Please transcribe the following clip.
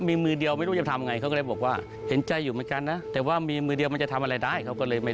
มีมือเดียวทำงานไม่ได้อีกอย่างความรู้ไม่มี